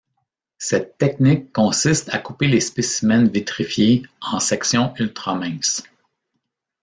Cette technique consiste à couper les specimens vitrifiés en sections ultra-minces.